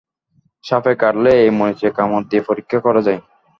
সাপে কাটলে এই মরিচে কামড় দিয়ে পরীক্ষা করা যায়।